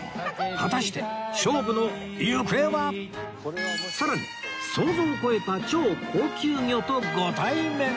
果たしてさらに想像を超えた超高級魚とご対面